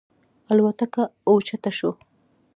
الوتکه اوچته شوه.